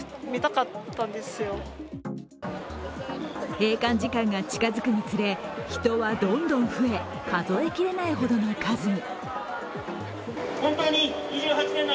閉館時間が近づくにつれ、人はどんどん増え数え切れないほどの数に。